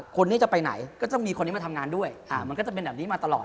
คนนี้จะไปไหนก็ต้องมีคนนี้มาทำงานด้วยมันก็จะเป็นแบบนี้มาตลอด